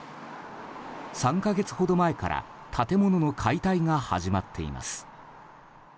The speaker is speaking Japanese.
３か月ほど前から建物の解体が始まっています。